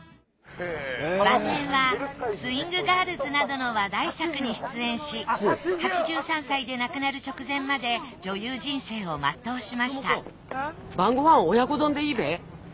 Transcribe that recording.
晩年は『スウィングガールズ』などの話題作に出演し８３歳で亡くなる直前まで女優人生を全うしました晩ごはん親子丼でいいべ？